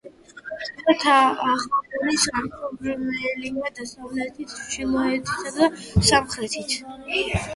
თითო თაღოვანი სარკმელია დასავლეთით, ჩრდილოეთითა და სამხრეთით.